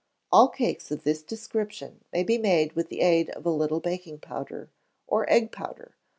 All cakes of this description may be made with the aid of a little baking powder, or egg powder.